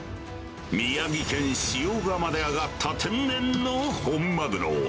宮城県塩竃で揚がった天然の本マグロ。